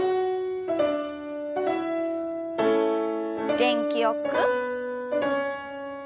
元気よく。